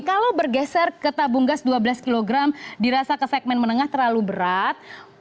kalau bergeser ke tabung gas dua belas kg dirasa ke segmen menengah terlalu berat